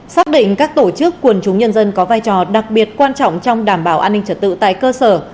xác định các tổ chức quần chúng nhân dân có vai trò đặc biệt quan trọng trong đảm bảo an ninh trật tự tại cơ sở